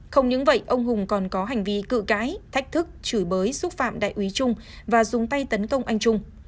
không những vậy ông hùng còn có hành vi cự cãi thách thức chửi bới xúc phạm đại úy trung và dùng tay tấn công anh trung